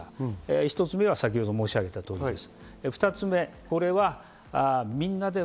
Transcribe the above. １つ目は先程申し上げた通りです。